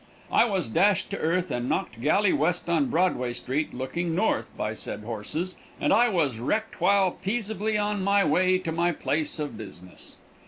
I was dashed to earth and knocked galley west on Broadway st. looking north by sed horses and I was wrecked while peasably on my way to my place of business.